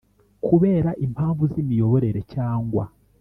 Kubera impamvu z imiyoborere cyangwa